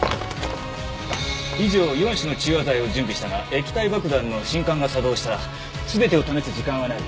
以上４種の中和剤を準備したが液体爆弾の信管が作動したら全てを試す時間はない。